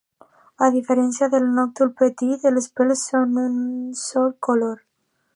A diferència del nòctul petit, els pèls són d'un sol color.